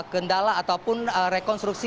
kendala ataupun rekonstruksi